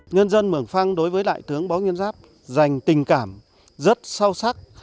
nhân dân mường phân đối với đại tướng võ nguyên giáp dành tình cảm rất sâu sắc